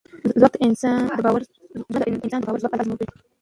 ژوند د انسان د باور ځواک ازمېيي.